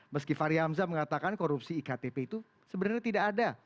meski fahri hamzah mengatakan korupsi iktp itu sebenarnya tidak ada